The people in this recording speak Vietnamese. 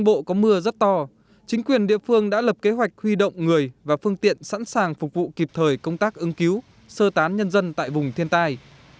bộ có mưa rất to chính quyền địa phương đã lập kế hoạch huy động người và phương tiện sẵn sàng phục vụ kịp thời công tác ứng cứu sơ tán nhân dân tại vùng thiên tai